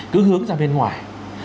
cứ hướng ra bên ngoài